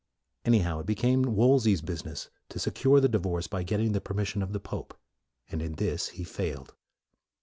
Anyhow, it be came Wolsey's business to secure the di vorce by getting the permission of the MORE 37 pope. And in this he failed.